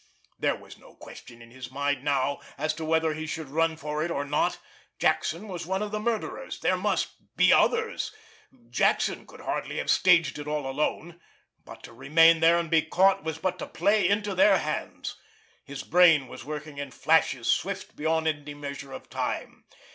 There was no question in his mind now as to whether he should run for it, or not. Jackson was one of the murderers ... there must ... be others.... Jackson could hardly have staged it all alone ... but to remain there and be caught was but to play into their hands! His brain was working in flashes swift beyond any measure of time.